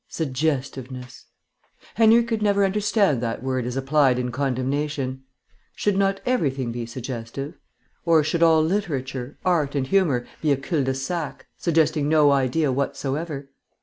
Suggestiveness. Henry could never understand that word as applied in condemnation. Should not everything be suggestive? Or should all literature, art, and humour be a cul de sac, suggesting no idea whatsoever?